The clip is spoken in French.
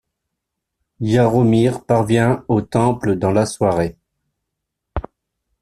Yaromir parvient au temple dans la soirée.